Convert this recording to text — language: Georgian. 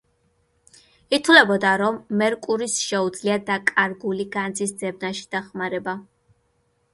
ითვლებოდა, რომ მერკურის შეუძლია დაკარგული განძის ძებნაში დახმარება.